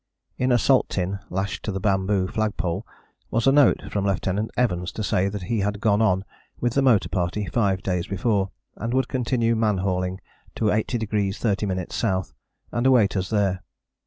In a salt tin lashed to the bamboo flag pole was a note from Lieutenant Evans to say that he had gone on with the motor party five days before, and would continue man hauling to 80° 30´ S. and await us there.